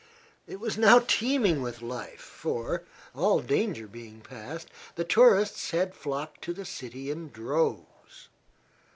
It was now teeming with life, for, all danger being past, the tourists had flocked to the city in droves.